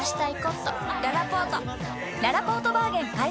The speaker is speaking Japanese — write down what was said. ららぽーとバーゲン開催！